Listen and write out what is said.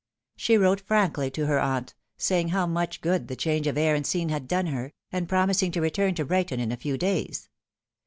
She wrote frankly to her aunt, saying how much good the change of air and scene had done her, and pro mising to return to Brighton in a few days.